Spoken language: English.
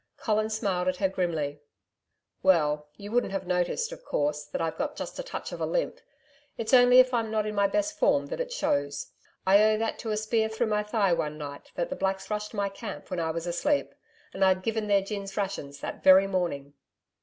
Colin smiled at her grimly. 'Well, you wouldn't have noticed, of course, that I've got just a touch of a limp it's only if I'm not in my best form that it shows. I owe that to a spear through my thigh one night that the Blacks rushed my camp when I was asleep. And I'd given their gins rations that very morning.'